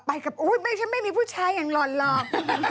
ไปกับอู๊ยฉันไม่มีผู้ชายยังหลอนหรอก